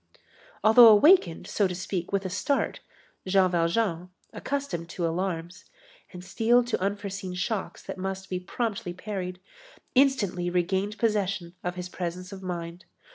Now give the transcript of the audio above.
Although awakened, so to speak, with a start, Jean Valjean, accustomed to alarms, and steeled to unforeseen shocks that must be promptly parried, instantly regained possession of his presence of mind.